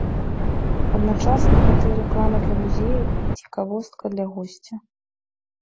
Адначасна гэта і рэклама для музея, і цікавостка для госця.